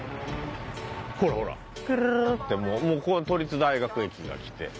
ほらほら「トゥルルル」ってもうもうここは都立大学駅が来て。